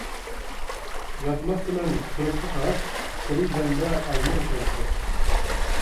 ياتماقتىمەن تورۇسقا قاراپ، دېرىزەمدە ئاينىڭ شولىسى.